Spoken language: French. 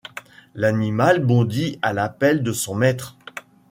L’animal bondit à l’appel de son maître